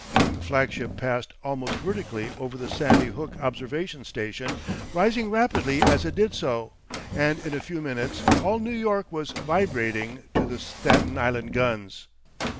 The flagship passed almost vertically over the Sandy Hook observation station, rising rapidly as it did so, and in a few minutes all New York was vibrating to the Staten Island guns.